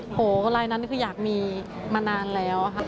โหลายนั้นคืออยากมีมานานแล้วค่ะ